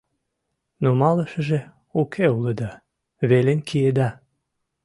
Нумалашыже уке улыда, велен киеда.